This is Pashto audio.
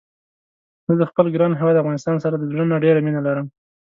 زه د خپل ګران هيواد افغانستان سره د زړه نه ډيره مينه لرم